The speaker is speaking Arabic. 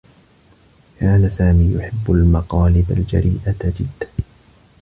كان سامي يحبّ المقالب الجريئة جدّا.